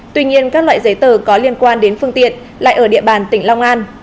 tuy nhiên các loại giấy tờ có liên quan đến phương tiện lại ở địa bàn tỉnh long an